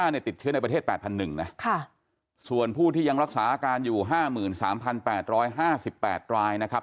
ในติดเชื้อในประเทศแปดพันหนึ่งนะค่ะส่วนผู้ที่ยังรักษาการอยู่ห้าหมื่นสามพันแปดร้อยห้าสิบแปดรายนะครับ